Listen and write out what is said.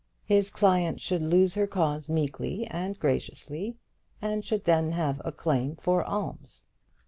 His client should lose her cause meekly and graciously, and should then have a claim for alms.